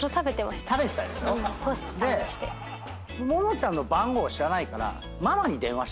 ももちゃんの番号を知らないから。